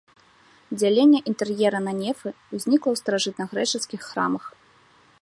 Дзяленне інтэр'ера на нефы ўзнікла ў старажытнагрэчаскіх храмах.